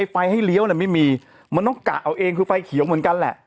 ไฟให้เลี้ยวไม่มีมันต้องกะเอาเองคือไฟเขียวเหมือนกันแหละ